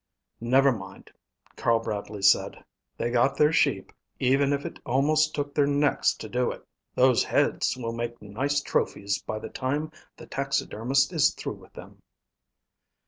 "Never mind," Carl Bradley said. "They got their sheep, even if it almost took their necks to do it. Those heads will make nice trophies by the time the taxidermist is through with them."